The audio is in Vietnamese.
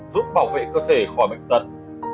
giúp bảo vệ cơ thể khỏi bệnh tật